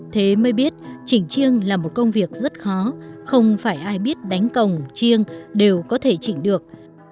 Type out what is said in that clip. thế mới biết chỉnh chiêng là một công việc rất khó không phải ai biết đánh cồng chiêng đều có thể chỉnh được